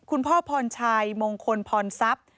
คุณพ่อพรชัยมงคลพรทรัพย์